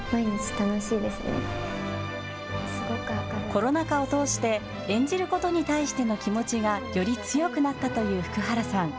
コロナ禍を通して演じることに対しての気持ちがより強くなったという福原さん。